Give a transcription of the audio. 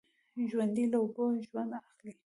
ژوندي له اوبو ژوند اخلي